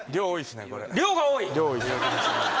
量が多い。